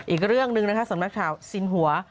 อีกเรื่องหนึ่งนะคะสำนักข่าวสินหัว